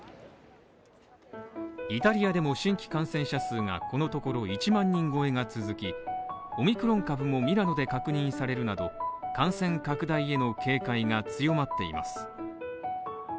イタリアでも新規感染者数がこのところ１万人超えが続き、オミクロン株もミラノで確認されるなど感染拡大への警戒が強まっています。